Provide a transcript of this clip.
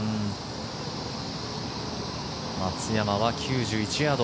松山は９１ヤード。